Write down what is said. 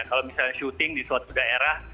kalau misalnya syuting di suatu daerah